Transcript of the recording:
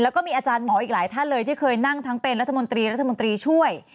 แล้วก็มีอาจารย์หมออีกหลายท่านเลยที่เคยนั่งทั้งเป็นรัฐมนตรีรัฐมนตรีช่วย